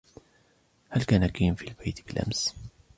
هل كان كين في البيت بالأمس ؟